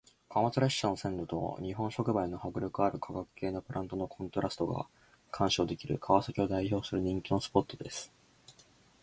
貨物列車の線路と日本触媒の迫力ある化学系のプラントのコントラストが鑑賞できる川崎を代表する人気のスポットです。